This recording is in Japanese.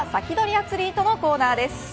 アツリートのコーナーです。